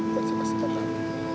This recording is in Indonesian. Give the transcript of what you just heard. dia juga sangat sangat